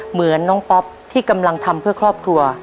เหมือนน้องป๊อปที่กำลังทำเพื่อครอบครัว